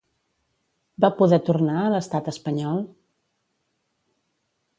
Va poder tornar a l'estat espanyol?